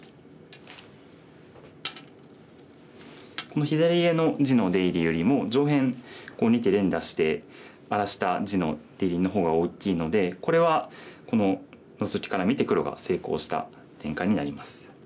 この左上の地の出入りよりも上辺２手連打して荒らした地の出入りの方が大きいのでこれはこのノゾキから見て黒が成功した展開になります。